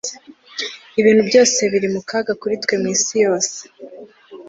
ibintu byose biri mukaga kuri twe mwisi yose